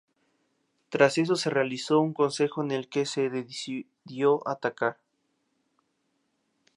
Tras eso se realizó un consejo en el que se decidió atacar.